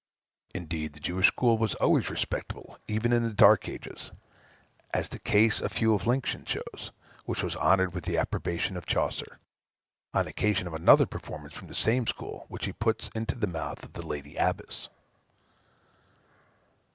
Indeed the Jewish school was always respectable, even in the dark ages, as the case of Hugh of Lincoln shows, which was honored with the approbation of Chaucer, on occasion of another performance from the same school, which he puts into the mouth of the Lady Abbess.